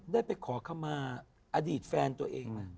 ได้ไปขอคำมาอดีตแฟนตัวเองนะ